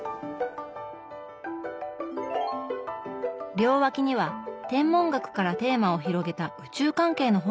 両脇には天文学からテーマを広げた宇宙関係の本が並びます。